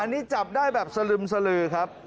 นี่จับได้แบบสลึมสลือครับ